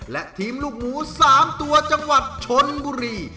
และทีมลูกหมู๓ตัวจังหวัดชนบุรี